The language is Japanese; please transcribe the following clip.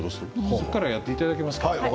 そこからはやっていただけますか。